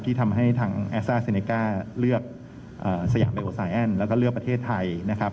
ที่ทำให้ทางแอสซ่าเซเนก้าเลือกสยามเบโอไซแอนด์แล้วก็เลือกประเทศไทยนะครับ